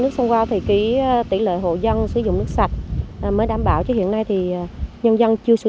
nước sông thì ký tỉ lợi hộ dân sử dụng nước sạch mới đảm bảo chứ hiện nay thì nhân dân chưa sử